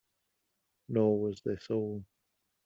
Nor was this all.